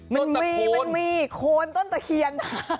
มันมีมันมีโคนต้นตะเคียน